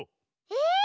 え！